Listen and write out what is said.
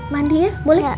mandi ya boleh